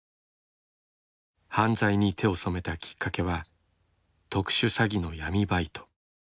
犯罪に手を染めたきっかけは特殊詐欺の闇バイト。